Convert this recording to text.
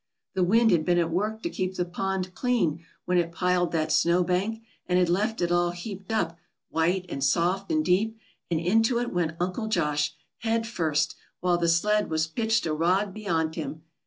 The wind had been at work to keep the pond clean when it piled that snow bank, and had left it all heaped up, white and soft and deep, and into it went Uncle Josh, head first, while the sled was pitched a rod beyond him.